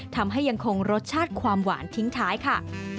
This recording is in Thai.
ยังคงรสชาติความหวานทิ้งท้ายค่ะ